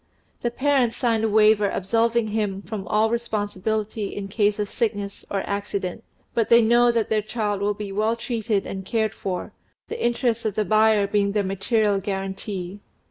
The parents sign a paper absolving him from all responsibility in case of sickness or accident; but they know that their child will be well treated and cared for, the interests of the buyer being their material guarantee.